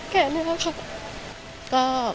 แค่นี้แล้วค่ะ